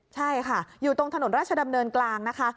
ใช่ค่ะอยู่ตรงถนนราชดำเนินกลางนะคะ